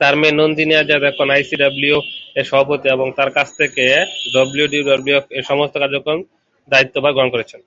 তাঁর মেয়ে নন্দিনী আজাদ এখন আইসিএনডব্লিউ-এর সভাপতি এবং তাঁর কাছ থেকে ডব্লিউডব্লিউএফ-এর সমস্ত কাজকর্মের দায়িত্বভার গ্রহণ করেছেন।